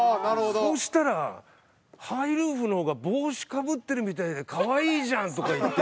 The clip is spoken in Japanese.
そしたら「ハイルーフの方が帽子かぶってるみたいで可愛いじゃん」とか言って。